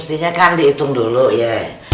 pastinya kan dihitung dulu ya